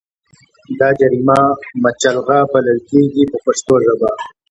دا جریمه مچلغه بلل کېږي په پښتو ژبه.